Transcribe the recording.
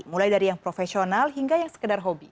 mulai dari yang profesional hingga yang sekedar hobi